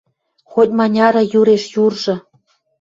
Хоть-маняры юреш юржы